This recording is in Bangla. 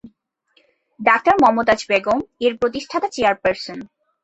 ডাক্তার মমতাজ বেগম এর প্রতিষ্ঠাতা চেয়ারপারসন।